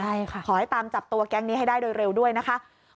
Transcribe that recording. ใช่ค่ะขอให้ตามจับตัวแก๊งนี้ให้ได้โดยเร็วด้วยนะคะ